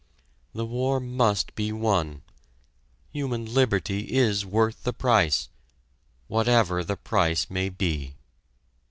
The war must be won; human liberty is worth the price whatever the price may be!